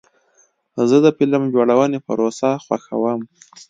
زه د فلم جوړونې پروسه خوښوم.